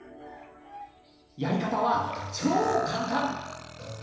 やり方は超簡単！